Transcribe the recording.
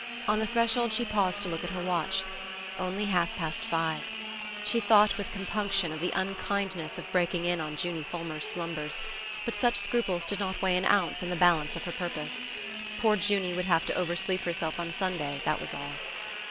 On the threshold she paused to look at her watch. Only half past five! She thought with compunction of the unkindness of breaking in on Junie Fulmer's slumbers; but such scruples did not weigh an ounce in the balance of her purpose. Poor Junie would have to oversleep herself on Sunday, that was all.